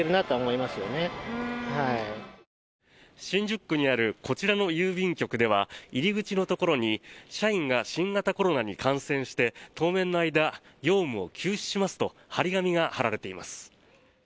新宿区にあるこちらの郵便局では入り口のところに社員が新型コロナに感染して当面の間、業務を休止しますと貼り紙が貼られています。